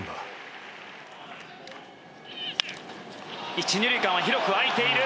一二塁間は広く空いている。